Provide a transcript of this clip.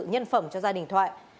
nhân phẩm cho gia đình thoại